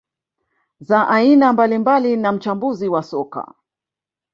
za aina mbalimbali na mchambuzi wa soka